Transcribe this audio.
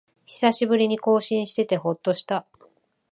久しぶりに更新しててほっとした